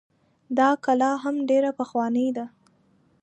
دا کلا هم ډيره پخوانۍ ده